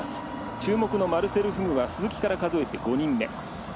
注目のマルセル・フグは鈴木から数えて５人目。